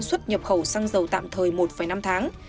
xuất nhập khẩu xăng dầu tạm thời một năm tháng